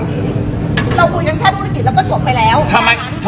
เราคุยกันแค่ธุรกิจแล้วก็จบไปแล้ว